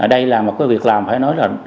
đây là một cái việc làm phải nói là